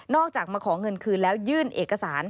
จากมาขอเงินคืนแล้วยื่นเอกสาร